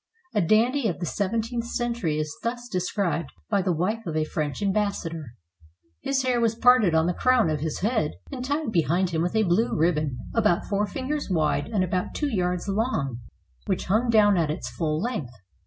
A dandy of the seventeenth century is thus described by the wife of a French ambassador: "His hair was parted on the crown of his head, and tied behind him with a blue ribbon, about four fingers wide and about two yards long, which hung down at its full length.